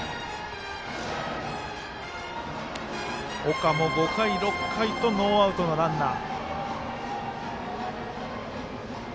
岡も５回、６回とノーアウトのランナー。